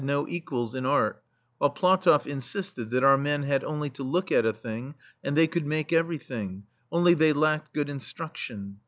[ao] THE STEEL FLEA no equals in art, while PlatofF insisted that our men had only to look at a thing and they could make everything, — only, they lacked good instrudlion.